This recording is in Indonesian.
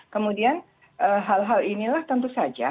kemudian hal hal inilah tentu saja